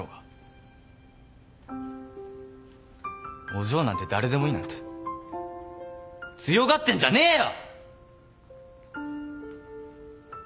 お嬢なんて誰でもいいなんて強がってんじゃねえよ。